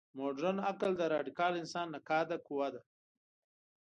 مډرن عقل د راډیکال انسان نقاده قوه ده.